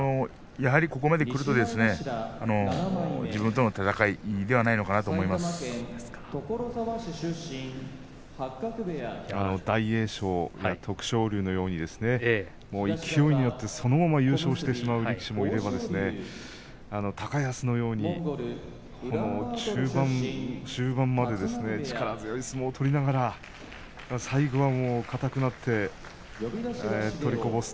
ここまできますと自分との闘いではないのかな大栄翔や徳勝龍のように勢いに乗って、そのまま優勝してしまう力士もいれば高安のように中盤まで力強い相撲を取りながら最後は硬くなって取りこぼす。